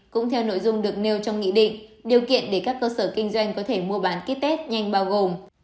cũng theo nội dung được nêu trong nghị định điều kiện để các cơ sở kinh doanh có thể mua bán ký test nhanh bao gồm